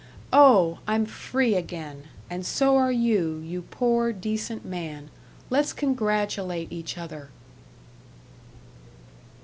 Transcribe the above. Oh, I'm free again. And so are you, you poor, decent man. Let's congratulate each other."